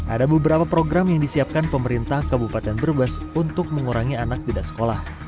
ada beberapa program yang disiapkan pemerintah kabupaten brebes untuk mengurangi anak tidak sekolah